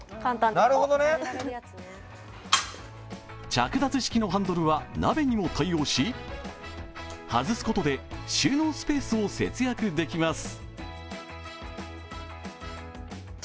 着脱式のハンドルは鍋にも対応し外すことで収納スペースを節約できます。